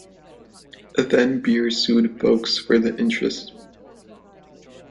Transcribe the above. Then Beer sued Foakes for the interest.